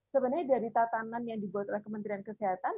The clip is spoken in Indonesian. sebenarnya dari tatanan yang dibuat oleh kementerian kesehatan